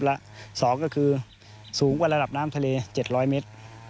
และ๒ก็คือสูงกว่าระดับน้ำทะเล๗๐๐เมตร